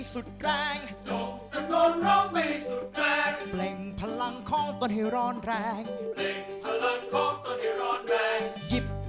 มีแรงตังค์ช่วยพวกนั้นที่ก้าวไป